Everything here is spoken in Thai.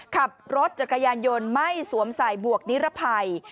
ขับรถจักรยานยนต์ไม่สวมใส่บวกนิรภัย